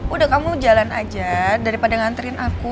udah kamu jalan aja daripada nganterin aku